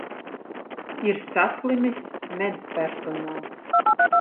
Ir saslimis medpersonāls.